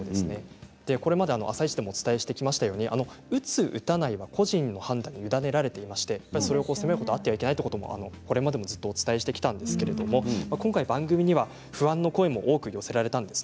これまで「あさイチ」でもお伝えしてきましたとおり打つ、打たない、個人の判断に委ねられておりまして責めることがあってはいけないとこれまでもお伝えしてきたんですが今回、番組に不安の声も多く寄せられました。